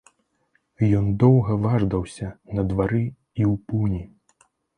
Ён доўга важдаўся на двары і ў пуні.